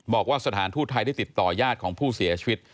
บอกว่าสถานทูตไทยได้ติดต่อยาดของผู้เสียชีวิต